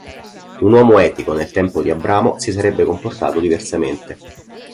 Un uomo etico nel tempo di Abramo si sarebbe comportato diversamente.